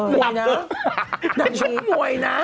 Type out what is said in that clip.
เป้าหมายนะ